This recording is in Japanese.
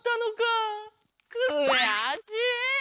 くやしい！